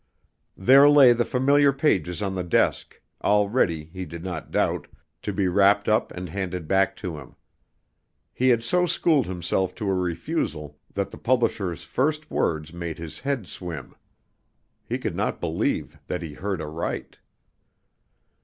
There lay the familiar pages on the desk, all ready, he did not doubt, to be wrapped up and handed back to him. He had so schooled himself to a refusal that the publisher's first words made his head swim. He could not believe that he heard aright.